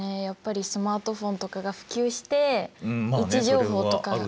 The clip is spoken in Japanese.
やっぱりスマートフォンとかが普及して位置情報とか。